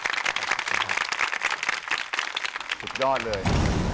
สุดยอดเลย